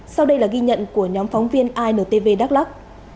sau đây là ghi nhận của nhóm phóng viên intv đắk lắc